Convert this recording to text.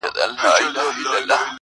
نه شرنګى سته د پاوليو نه پايلو!.